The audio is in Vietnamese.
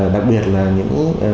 đặc biệt là những